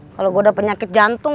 kalau gue udah penyakit jantung